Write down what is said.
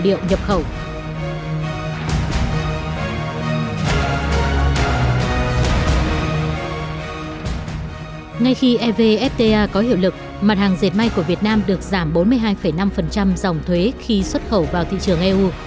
ngay khi evfta có hiệu lực mặt hàng dệt may của việt nam được giảm bốn mươi hai năm dòng thuế khi xuất khẩu vào thị trường eu